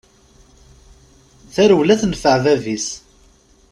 Tarewla tenfeɛ bab-is!